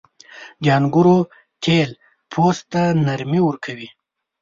• د انګورو تېل پوست ته نرمي ورکوي.